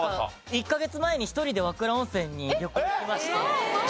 １カ月前に１人で和倉温泉に旅行行きまして。